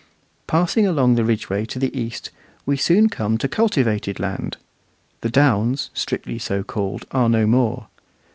Passing along the Ridgeway to the east, we soon come to cultivated land. The downs, strictly so called, are no more.